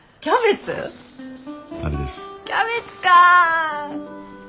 キャベツか。